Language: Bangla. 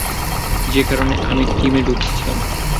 যে কারণে আমি টিমে ঢুকেছিলাম।